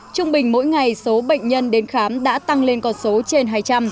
trung bình mỗi ngày số bệnh nhân đến khám đã tăng lên con số trên hai trăm linh